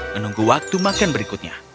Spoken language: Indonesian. menunggu waktu makan berikutnya